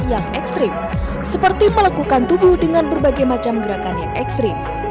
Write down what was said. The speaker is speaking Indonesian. yang ekstrim seperti melakukan tubuh dengan berbagai macam gerakan yang ekstrim